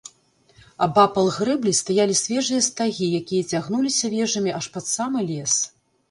Абапал грэблі стаялі свежыя стагі, якія цягнуліся вежамі аж пад самы лес.